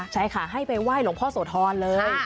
ใช่ค่ะให้ไปไหว้หลวงพ่อโสธรเลย